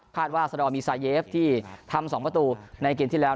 ว่าสดอร์มีซาเยฟที่ทำ๒ประตูในเกมที่แล้ว